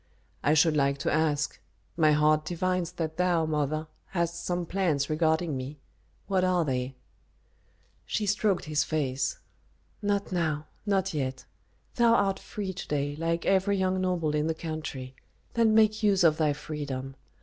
"I should like to ask My heart divines that thou, mother, hast some plans regarding me. What are they?" She stroked his face. "Not now not yet. Thou art free to day, like every young noble in the country; then make use of thy freedom.